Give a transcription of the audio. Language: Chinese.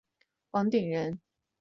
王鼎人。